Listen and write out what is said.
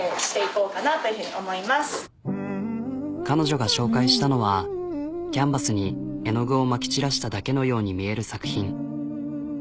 彼女が紹介したのはキャンバスに絵の具をまき散らしただけのように見える作品。